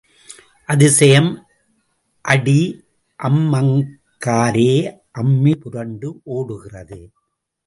அதிசயம் அடி அம்மங்காரே, அம்மி புரண்டு ஓடுகிறது.